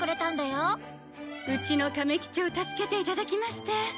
うちの亀吉を助けていただきまして。